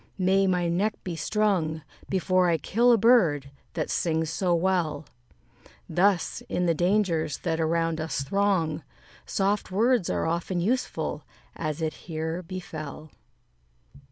may my neck be strung, Before I kill a bird that sings so well." Thus, in the dangers that around us throng, Soft words are often useful, as it here befell.